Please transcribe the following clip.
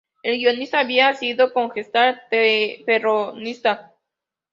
El guionista había sido concejal peronista.